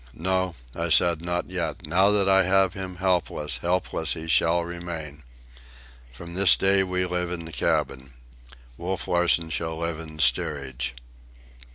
"No," I said, "not yet. Now that I have him helpless, helpless he shall remain. From this day we live in the cabin. Wolf Larsen shall live in the steerage."